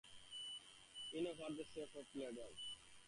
You know what they say of my lodger?